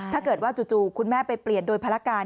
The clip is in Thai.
ถ้าเกิดว่าจู่คุณแม่ไปเปลี่ยนโดยภารการ